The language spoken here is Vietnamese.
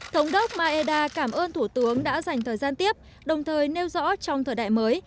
thống đốc maeda cảm ơn thủ tướng đã dành thời gian tiếp đồng thời nêu rõ trong thời đại mới